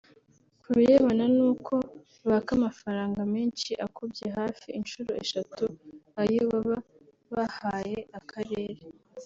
Ku birebana n’uko baka amafaranga mesnhi akubye hafi inshuro eshatu ayo baba bahaye akarere